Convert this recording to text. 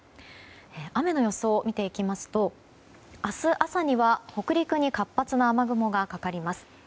雨の予想を見ていきますと明日朝には北陸に活発な雨雲がかかります。